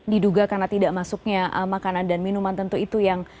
diduga karena tidak masuknya makanan dan minuman tentu itu yang